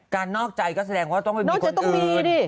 นอกใจก็แสดงว่าต้องไปมีคนอื่น